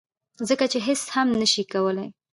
ځکه چې هیڅ څه هم نشي کولی